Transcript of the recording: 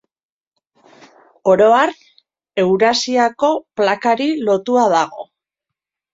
Oro har, Eurasiako plakari lotua dago.